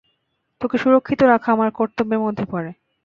তোকে সুরক্ষিত রাখা আমার কর্তব্যের মধ্যে পড়ে!